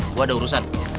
gue ada urusan